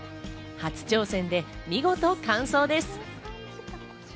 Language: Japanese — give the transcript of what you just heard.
初挑戦で見事完走です。